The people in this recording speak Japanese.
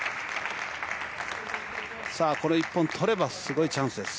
これで１本取ればすごいチャンスです。